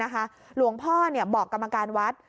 หลวงพ่อบอกกรรมการวัด